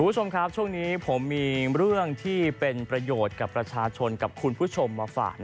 คุณผู้ชมครับช่วงนี้ผมมีเรื่องที่เป็นประโยชน์กับประชาชนกับคุณผู้ชมมาฝาก